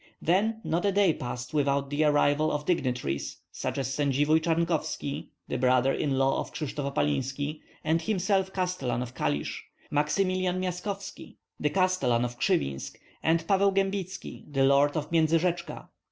Then not a day passed without the arrival of dignitaries such as Sendzivoi Charnkovski, the brother in law of Krishtof Opalinski, and himself castellan of Kalisk; Maksymilian Myaskovski, the castellan of Kryvinsk; and Pavel Gembitski, the lord of Myendzyrechka.